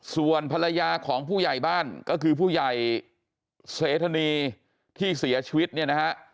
ส่วนภรรยาของผู้ใหญ่บ้านก็คือผู้ใหญ่เสธนีที่เสียชีวิตเนี่ยนะฮะ